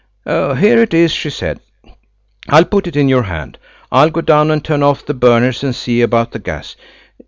"Here it is," she said; "I'll put it in your hand. I'll go down and turn off the burners and see about the gas.